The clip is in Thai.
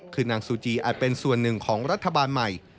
คือนางซูจีอาจเป็นส่วนหนึ่งของรัฐบาลใหม่